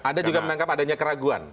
anda juga menangkap adanya keraguan